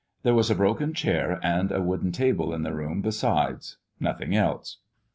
There was a broken chair and wooden table in the room besides; nothing else.